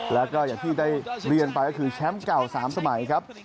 แล้วก็อย่างที่ได้เรียนไปก็คือแชมป์เก่า๓สมัยครับ